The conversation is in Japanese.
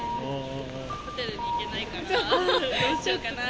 ホテルに行けないから、どうしようかな。